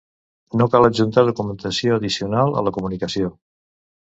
No cal adjuntar documentació addicional a la comunicació.